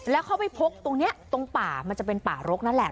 แล้วเขาไปพกตรงนี้ตรงป่ามันจะเป็นป่ารกนั่นแหละ